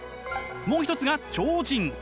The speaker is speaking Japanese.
もう一つが超人。